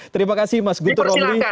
terima kasih mas guntur romli